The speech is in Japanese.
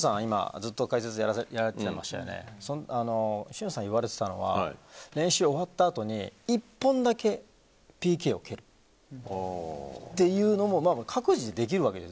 ずっと解説やられてましたが俊さんが言われてたのは練習が終わったあとに１本だけＰＫを蹴るっていうのも各自、できるわけです。